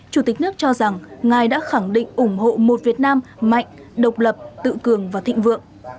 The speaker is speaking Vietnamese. chủ tịch nước cho rằng ngài đã khẳng định ủng hộ một việt nam mạnh độc lập tự cường và thịnh vượng